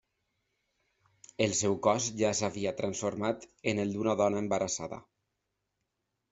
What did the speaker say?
El seu cos ja s'havia transformat en el d'una dona embarassada.